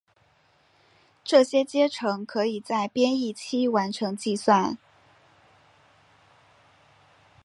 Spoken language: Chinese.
这些阶乘可以在编译期完成计算。